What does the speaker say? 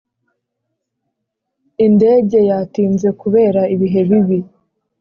indege yatinze kubera ibihe bibi.